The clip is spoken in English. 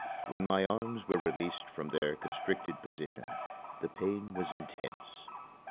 When my arms were released from their constricted position, the pain was intense.